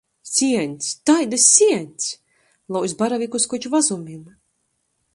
Sieņs. Taidys sieņs! Lauz baravikus koč vazumim.